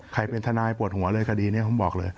ใครเป็นทนายปวดหัวเลยคดีนี้ผมบอกเลย